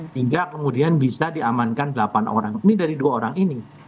hingga kemudian bisa diamankan delapan orang ini dari dua orang ini